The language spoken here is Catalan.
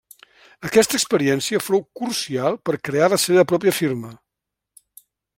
Aquesta experiència fou crucial per crear la seva pròpia firma.